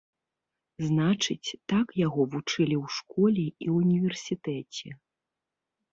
Значыць, так яго вучылі ў школе і ўніверсітэце.